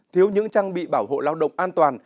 thiếu những trang bị bảo hộ lao động an toàn